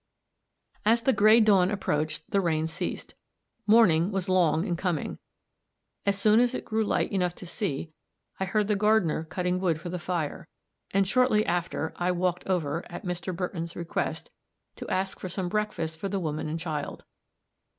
As the gray dawn approached, the rain ceased. Morning was long in coming. As soon as it grew light enough to see, I heard the gardener cutting wood for the fire, and shortly after I walked over, at Mr. Burton's request, to ask for some breakfast for the woman and child.